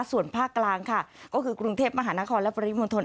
ส่วนภาคกลางค่ะก็คือกรุงเทพมหานครและปริมณฑล